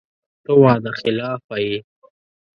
ته وعده خلافه یې !